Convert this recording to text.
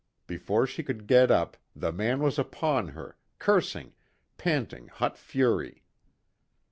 Before she could get up, the man was upon her, cursing, panting hot fury.